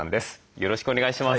よろしくお願いします。